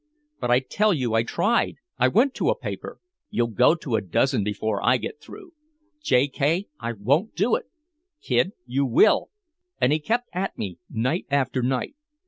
K. "But I tell you I tried! I went to a paper " "You'll go to a dozen before I get through!" "J. K. I won't do it" "Kid you will!" And he kept at me night after night.